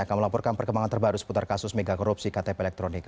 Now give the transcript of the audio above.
akan melaporkan perkembangan terbaru seputar kasus megakorupsi ktp elektronik